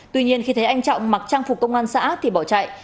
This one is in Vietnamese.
tuy nhiên khi thấy anh trọng mặc trang phục công an xã thì bỏ chạy